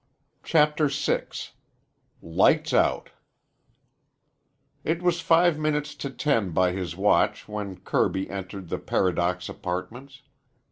CHAPTER VI LIGHTS OUT It was five minutes to ten by his watch when Kirby entered the Paradox Apartments.